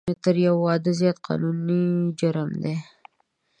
تر یو واده زیات قانوني جرم دی